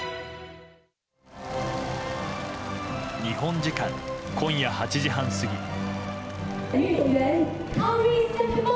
日本時間、今夜８時半過ぎ。